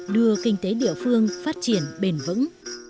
đưa kinh tế địa phương phát triển bền vững